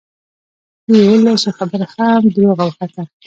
د یوولسو خبره هم دروغه وخته.